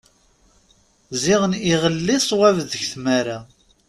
Ziɣen iɣelli swab deg tmara.